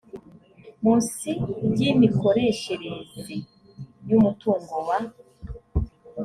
munsi ry imikoreshereze y umutungo wa